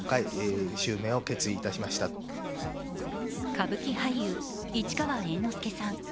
歌舞伎俳優、市川猿之助さん。